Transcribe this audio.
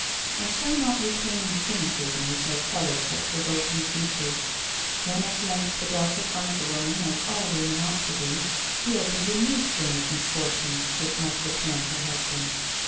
I shall not retain the cynicism which has coloured such revolting features. When at length the doctor finds a woman as all women ought to be, he opens a new string of misfortunes which must attend her husband.